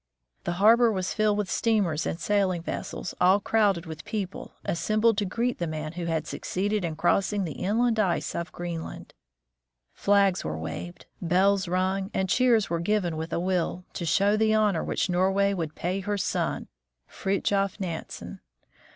The harbor was filled NANSEN CROSSES GREENLAND 121 with steamers and sailing vessels, all crowded with people, assembled to greet the man who had succeeded in crossing the inland ice of Greenland. Flags were waved, bells rung, and cheers were given with a will, to show the honor which Norway would pay her son, Fridtjof Nansen.